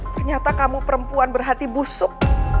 ternyata kamu perempuan berhati busuk